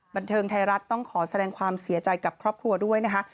บันเทิงไทยรัฐต้องขอแสดงความเสียใจกับครอบครัวด้วยนะคะ